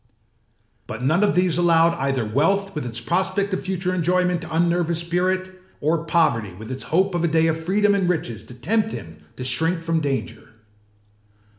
But none of these allowed either wealth with its prospect of future enjoyment to unnerve his spirit, or poverty with its hope of a day of freedom and riches to tempt him to shrink from danger.